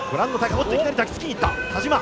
いきなり抱きつきにいった田嶋。